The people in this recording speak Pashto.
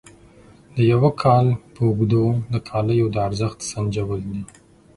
د یو کال په اوږدو د کالیو د ارزښت سنجول دي.